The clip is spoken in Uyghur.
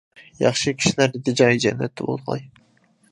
-ياخشى كىشىلەر ئىدى، جايى جەننەتتە بولغاي!